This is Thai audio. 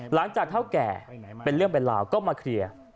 หลังจากเท่าแก่เป็นเรื่องเป็นราวก็มาเคลียร์